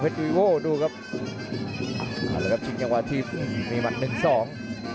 เทนวิโว่ดูครับชิงจังหวะที่มีบัตรหนึ่งสอง